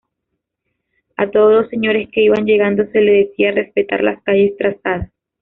A todos los señores que iban llegando se les decía respetar las calles trazadas.